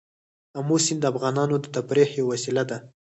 آمو سیند د افغانانو د تفریح یوه وسیله ده.